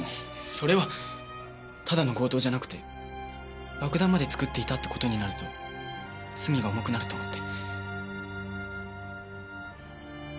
それはただの強盗じゃなくて爆弾まで作っていたって事になると罪が重くなると思って。